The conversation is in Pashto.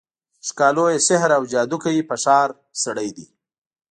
ښکالو یې سحراوجادوکوي په ښار، سړی دی